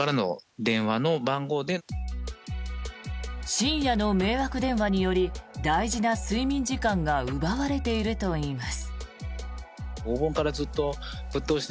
深夜の迷惑電話により大事な睡眠時間が奪われているといいます。